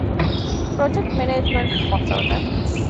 ޕްރޮޖެކްޓް މެނޭޖްމަންޓް ކޮންސަލްޓަންޓް